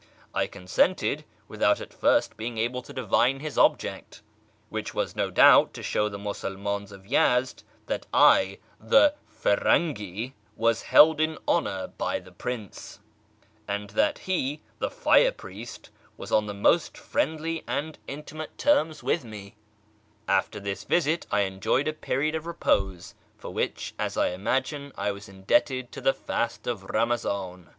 I consented, without at first being able to divine his object, ,vhich was no doubt to show the Musulmans of Yezd that I, he Pirangi, was held in honour by the Prince, and that he, the ire priest, was on the most friendly and intimate terms with me. 3S4 A YEAR AMONGST THE PERSIANS After this visit I enjoyed a period of repose, for which, as I imaifine, I was indebted to the fast of Jiamazan.